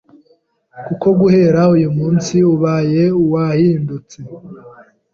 kuko guhera uyu munsi ubaye uwahindutse .